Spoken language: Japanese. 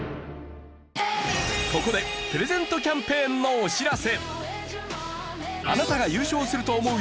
ここでプレゼントキャンペーンのお知らせ！